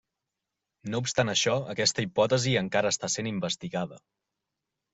No obstant això, aquesta hipòtesi encara està sent investigada.